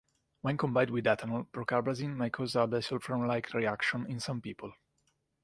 When combined with ethanol, procarbazine may cause a disulfiram-like reaction in some people.